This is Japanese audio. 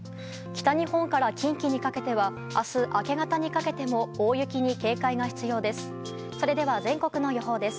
北日本から近畿にかけては明日明け方にかけても大雪に警戒が必要です。